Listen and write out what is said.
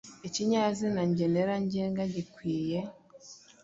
ikinyazina ngenera ngenga gikwiye: